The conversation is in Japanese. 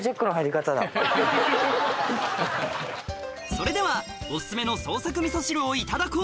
それではオススメの創作みそ汁をいただこう